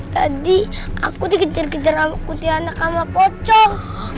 tadi aku dikejar kejar aku di anak sama pocong